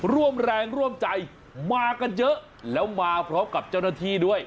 ร่วมแรงร่วมใจมากันเยอะแล้วมาพร้อมกับเจ้าหน้าที่ด้วย